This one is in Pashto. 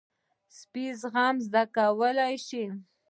سپي زغم زده کولی شي.